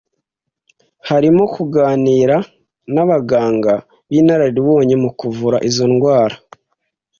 harimo kuganira n’abaganga b’inararibonye mu kuvura izo ndwara.